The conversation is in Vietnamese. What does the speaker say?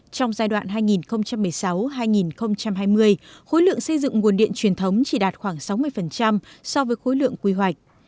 trong giai đoạn hai nghìn một mươi sáu hai nghìn hai mươi khối lượng xây dựng nguồn điện truyền thống chỉ đạt khoảng sáu mươi so với khối lượng quy hoạch